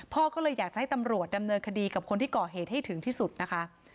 พ่อก็เลยอยากจะให้ตำรวจดำเนินคดีกับคนที่ก่อเหตุให้ถึงที่สุดนะคะ